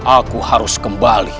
aku harus membantu dia